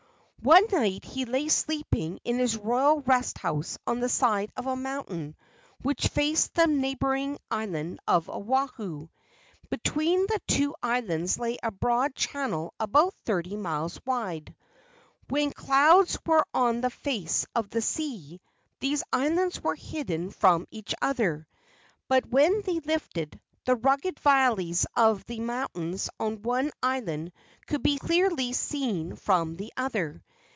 A GIANTS ROCK THROWING 23 One night he lay sleeping in his royal rest house on the side of a mountain which faced the neighboring island of Oahu. Between the two islands lay a broad channel about thirty miles wide. When clouds were on the face of the sea, these islands were hidden from each other; but when they lifted, the rugged valleys of the mountains on one island could be clearly seen from the other.